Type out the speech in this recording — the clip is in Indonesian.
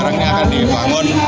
sekarang ini akan dibangun